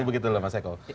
begitu loh mas eko